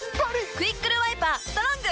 「クイックルワイパーストロング」！